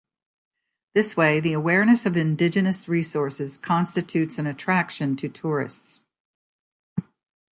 This way, the awareness of indigenous resources constitutes an attraction to tourists.